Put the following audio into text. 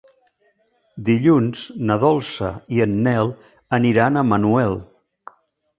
Dilluns na Dolça i en Nel aniran a Manuel.